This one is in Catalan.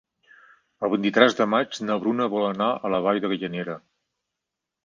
El vint-i-tres de maig na Bruna vol anar a la Vall de Gallinera.